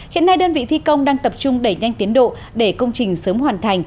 hiện nay đơn vị thi công đang tập trung đẩy nhanh tiến độ để công trình sớm hoàn thành